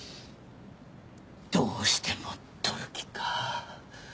どうしても取る気か。